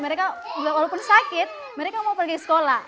mereka juga walaupun sakit mereka mau pergi sekolah